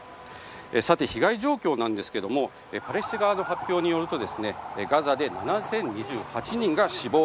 さて、被害状況ですがパレスチナ側の発表によるとガザで７０２８人が死亡。